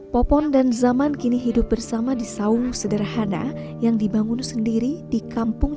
popon dan zaman kini hidup bersama di saung sederhana yang dibangun sendiri di kampung